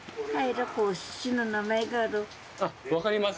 あっ分かります？